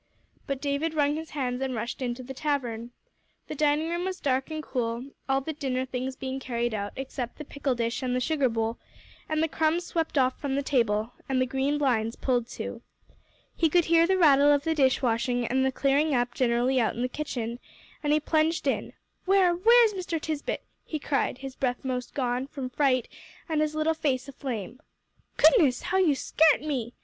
But David wrung his hands, and rushed into the tavern. The dining room was dark and cool, all the dinner things being carried out, except the pickle dish and the sugar bowl; and the crumbs swept off from the table, and the green blinds pulled to. He could hear the rattle of the dish washing and the clearing up generally out in the kitchen, and he plunged in. "Where where's Mr. Tisbett?" he cried, his breath most gone, from fright, and his little face aflame. "Goodness me, how you scart me!"